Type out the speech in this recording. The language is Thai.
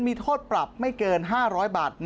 มีโทษปรับไม่เกิน๕๐๐บาท